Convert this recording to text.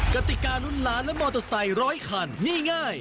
กติการุ้นล้านและมอเตอร์ไซค์ร้อยคันนี่ง่าย